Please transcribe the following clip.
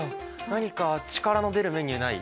何か力の出るメニューない？